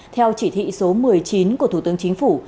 theo chỉ thị số một mươi chín của thủ tướng chính phủ